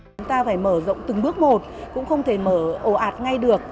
chúng ta phải mở rộng từng bước một cũng không thể mở ồ ạt ngay được